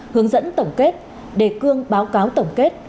hướng dẫn tổng kết đề cương báo cáo tổng kết